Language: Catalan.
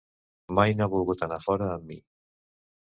Mai no ha volgut anar fora amb mi.